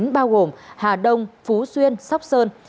bao gồm hà đông phú xuyên sóc sơn